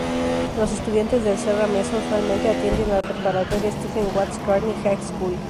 Los estudiantes de Serra Mesa usualmente atienden la preparatoria Stephen Watts Kearny High School.